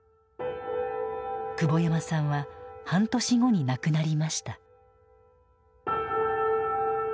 久保山さんは半年後に亡くなりました。